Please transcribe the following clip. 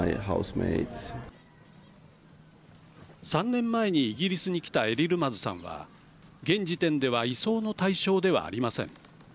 ３年前にイギリスに来たエリルマズさんは現時点では移送の対象ではありません。